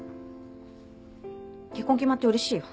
結婚決まってうれしいよ。